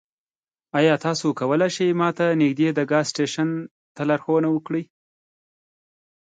ایا تاسو کولی شئ ما ته نږدې د ګاز سټیشن ته لارښوونه وکړئ؟